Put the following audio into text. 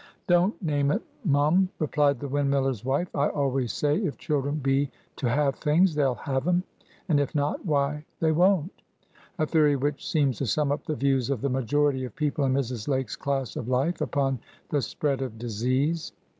"Don't name it, mum," replied the windmiller's wife. "I always say if children be to have things, they'll have 'em; and if not, why they won't." A theory which seems to sum up the views of the majority of people in Mrs. Lake's class of life upon the spread of disease.